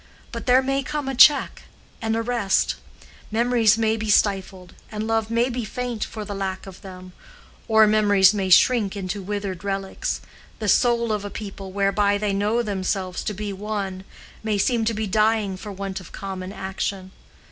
But there may come a check, an arrest; memories may be stifled, and love may be faint for the lack of them; or memories may shrink into withered relics—the soul of a people, whereby they know themselves to be one, may seem to be dying for want of common action.